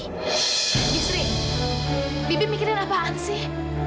bistri bibi mikirin apaan sih